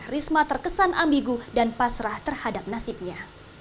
risma terkesan ambigu dan pasrah terhadap nasibnya